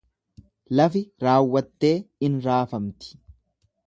Lafi raawwattee in raafamti.